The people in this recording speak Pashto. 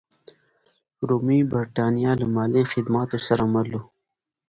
رومي برېټانیا له مالي خدماتو سره مل وه.